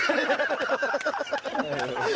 ハハハハ！